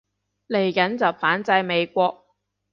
嚟緊就反制美國